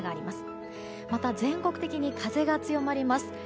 また、全国的に風が強まります。